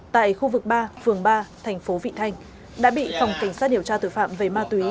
tại khu vực ba phường ba thành phố vị thanh đã bị phòng cảnh sát điều tra tội phạm về ma túy